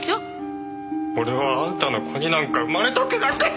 俺はあんたの子になんか生まれたくなかった！